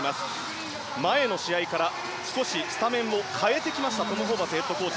前の試合から少しスタメンを変えてきましたトム・ホーバスヘッドコーチ。